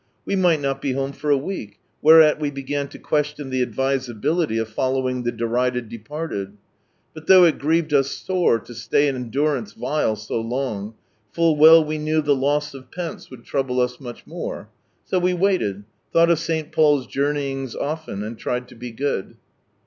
We might not be home for a week, whereat we began to question the advisability of following the derided departed. But though it grieved us sore to stay in durance rile so long, " full well we knew the loss of pence would trouble us much more." So we waited, thought of St. Paul's journeyings often, and tried to be good.